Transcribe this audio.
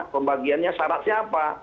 pembagiannya syaratnya apa